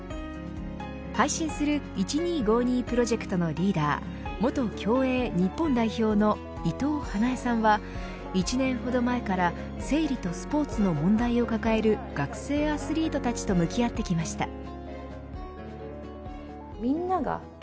配信する１２５２プロジェクトのリーダー元競泳日本代表の伊藤華英さんは１年ほど前から生理とスポーツの問題を抱える学生アスリートたちと向き合ってきました。